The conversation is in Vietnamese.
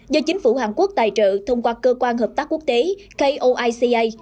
do chính phủ hàn quốc tài trợ thông qua cơ quan hợp tác quốc tế koica